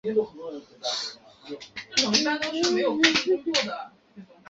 桐人与结依抽丝剥茧下发现白衣少女所指出的地方是东都工业大学。